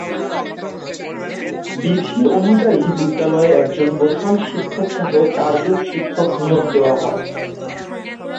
বিধি অনুযায়ী বিদ্যালয়ে একজন প্রধান শিক্ষকসহ চারজন শিক্ষক নিয়োগ দেওয়া হয়।